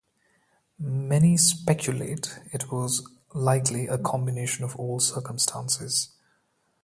Many speculate it was likely a combination of all circumstances.